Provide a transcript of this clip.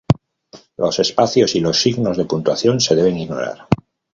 Los espacios y los signos de puntuación se deben ignorar.